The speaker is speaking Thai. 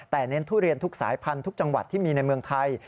แต่เน้นทุเรียนทุกสายพันธุ์ทุกจังหวัดที่มีในเมืองไทย